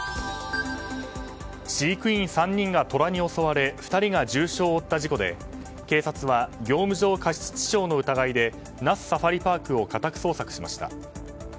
飼育員３人がトラに襲われ２人が重傷を負った事故で警察は業務上過失致傷の疑いで那須サファリパークを家宅捜索しました。